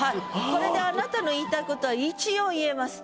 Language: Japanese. これであなたの言いたいことは一応言えます。